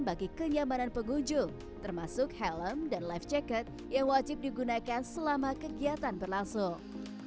bagi kenyamanan pengunjung termasuk helm dan life jacket yang wajib digunakan selama kegiatan berlangsung